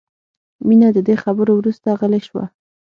مینه د دې خبرو وروسته غلې شوه